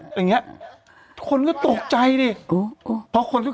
อย่างเงี้ยทุกคนก็ตกใจสิ